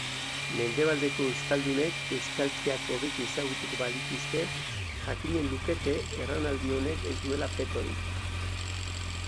Mendebaldeko euskaldunek euskalkiak hobeki ezagutuko balituzte, jakinen lukete erranaldi honek ez duela petorik.